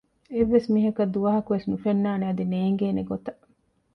އެއްވެސް މީހަކަށް ދުވަހަކުވެސް ނުފެންނާނެ އަދި ނޭނގޭނެ ގޮތަށް